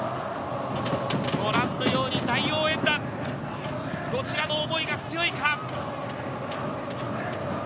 ご覧のように大応援団、どちらの思いが強いか？